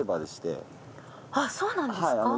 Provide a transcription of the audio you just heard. あそうなんですか？